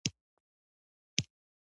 د تار په ذهن باندې، د تیارو شپې راغلي